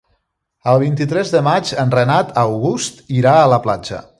El vint-i-tres de maig en Renat August irà a la platja.